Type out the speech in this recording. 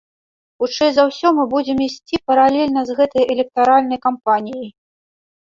Хутчэй за ўсё, мы будзем ісці паралельна з гэтай электаральнай кампаніяй.